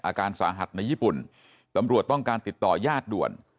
อาการสาหัสในญี่ปุ่นตำรวจต้องการติดต่อยาดด่วน